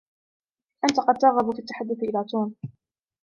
أنتَ قد ترغب في التحدُث إلى توم.